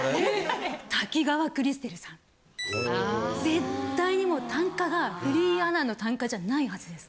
絶対にもう単価がフリーアナの単価じゃないはずです。